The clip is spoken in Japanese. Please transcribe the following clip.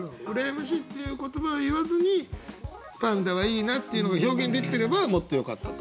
「羨ましい」っていう言葉は言わずにパンダはいいなっていうのが表現できてればもっとよかったと。